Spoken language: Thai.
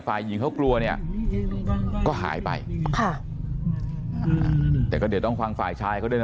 ฝ่ายหญิงเขากลัวเนี่ยก็หายไปค่ะอ่าแต่ก็เดี๋ยวต้องฟังฝ่ายชายเขาด้วยนะ